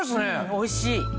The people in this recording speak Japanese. おいしい。